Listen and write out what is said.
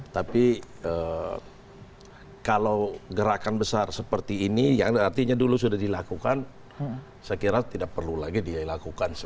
tapi kalau gerakan besar seperti ini yang artinya dulu sudah dilakukan saya kira tidak perlu lagi dilakukan